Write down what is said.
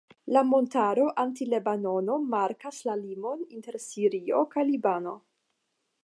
La montaro Anti-Lebanono markas la limon inter Sirio kaj Libano.